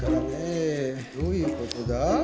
どういうことだ？